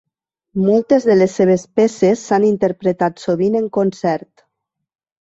Moltes de les seves peces s'han interpretat sovint en concert.